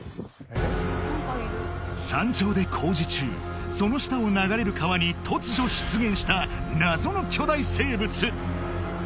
山頂で工事中その下を流れる川に突如出現した・